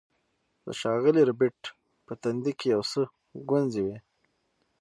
د ښاغلي ربیټ په تندي کې یو څه ګونځې وې